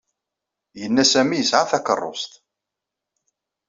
Yenna Sami yesɛa takeṛṛust.